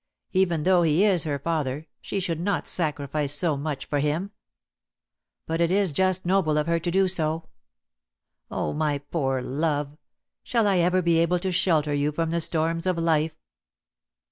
Even though he is her father, she should not sacrifice so much for him. But it is just noble of her to do so. Oh, my poor love, shall I ever be able to shelter you from the storms of life?"